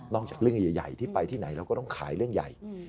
จากเรื่องใหญ่ที่ไปที่ไหนเราก็ต้องขายเรื่องใหญ่